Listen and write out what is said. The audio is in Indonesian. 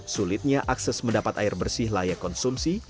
sulitnya akses mendapat air bersih layak konsumsi